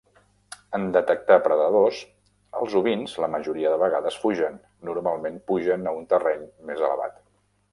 En detectar predadors, els ovins la majoria de vegades fugen; normalment pugen a un terreny més elevat.